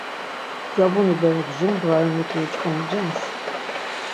Dzabuni berek jur ndğa ren mutu uç̆k̆omu cans.